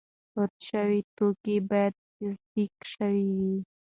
وارد شوي توکي باید تصدیق شوي وي.